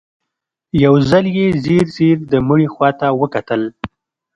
يو ځل يې ځير ځير د مړي خواته وکتل.